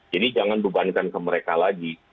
jadi jangan dibandingkan ke mereka lagi